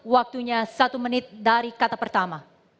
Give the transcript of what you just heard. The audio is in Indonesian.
waktunya satu menit dari kata pertama